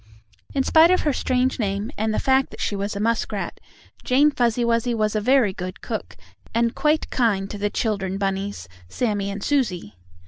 In spite of her strange name, and the fact that she was a muskrat, Jane Fuzzy Wuzzy was a very good cook and quite kind to the children bunnies, Sammie and Susie.